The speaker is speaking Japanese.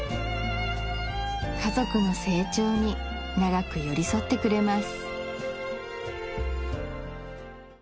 家族の成長に長く寄り添ってくれます